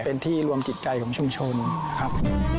เป็นที่รวมจิตใจของชุมชนครับ